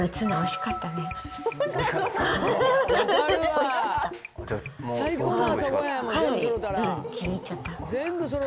かなり気に入っちゃった。